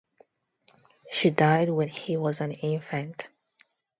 She died when he was an infant.